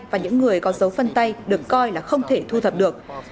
và những người có dấu phân tay được coi là không thể thu thập được